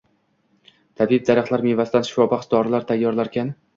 tabib daraxtlar mevasidan shifobaxsh dorilar tayyorlarkan